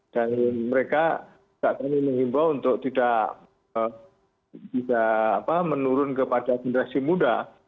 dan mereka kita ingin mengimbau untuk tidak menurun kepada generasi muda